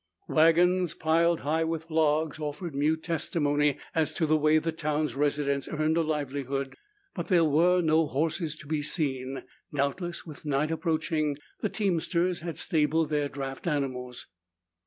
Wagons piled high with logs offered mute testimony as to the way the town's residents earned a livelihood but there were no horses to be seen. Doubtless, with night approaching, the teamsters had stabled their draft animals.